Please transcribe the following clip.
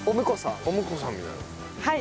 はい。